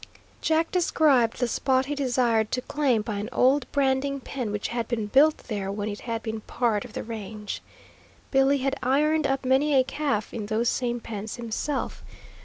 Jack described the spot he desired to claim by an old branding pen which had been built there when it had been part of the range. Billy had ironed up many a calf in those same pens himself.